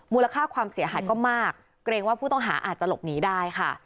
ค่าความเสียหายก็มากเกรงว่าผู้ต้องหาอาจจะหลบหนีได้ค่ะ